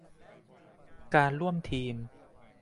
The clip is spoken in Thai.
การร่วมทีม